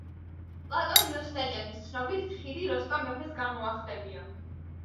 პლატონ იოსელიანის ცნობით, ხიდი როსტომ მეფეს განუახლებია.